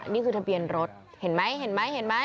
นี่คือทะเบียนรถเห็นไหม